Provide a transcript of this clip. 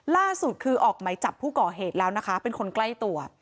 ล่าสุดคือออกไหมจับผู้ก่อเหตุแล้วนะคะเป็นคนใกล้ตัว